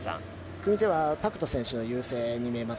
組手は拓斗選手の優勢に見えます。